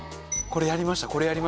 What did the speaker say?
これやりました。